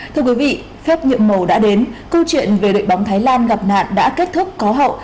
thưa quý vị phép nhiệm mồ đã đến câu chuyện về đội bóng thái lan gặp nạn đã kết thúc có hậu